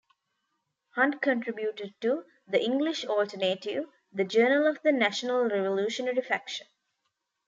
Hunt contributed to "The English Alternative", the journal of the National Revolutionary Faction.